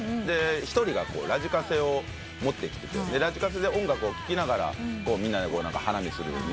で一人がラジカセを持ってきててラジカセで音楽を聴きながらみんなで花見する。